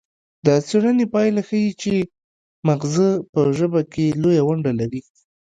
د څیړنې پایله ښيي چې مغزه په ژبه کې لویه ونډه لري